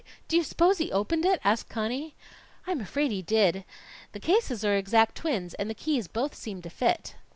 Do you s'pose he opened it?" asked Conny. "I'm afraid he did. The cases are exact twins, and the keys both seem to fit."